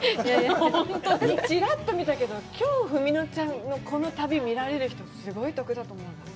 ちらっと見たけど、きょう、文乃ちゃんのこの旅を見られる人、すごい得だと思うんです。